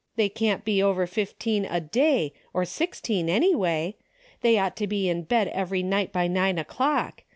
They can't be over fifteen a day, or sixteen anyway. They ought to be in bed every night by nine o'clock.